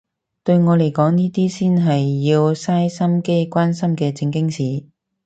對我嚟講呢啲先係要嘥心機關心嘅正經事